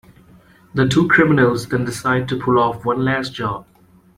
The two criminals then decide to pull off one last job.